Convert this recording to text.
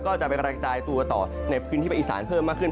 ก็จะไปกระจายตัวต่อในพื้นที่ภาคอีสานเพิ่มมากขึ้น